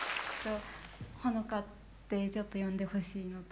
ほのかってちょっと呼んでほしいのと。